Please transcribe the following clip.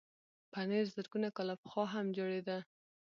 پنېر زرګونه کاله پخوا هم جوړېده.